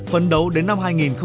phấn đấu đến năm hai nghìn hai mươi